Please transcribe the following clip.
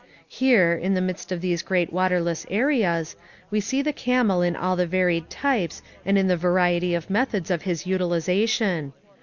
Here, in the midst of these great water less areas, we see the camel in all the varied types and in the variety of methods of his utilization.